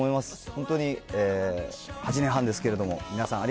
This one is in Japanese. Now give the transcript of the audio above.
本当に８年半ですけれども、皆さ